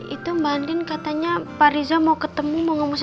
itu mbak andin katanya pak riza mau ketemu mau ngomong saya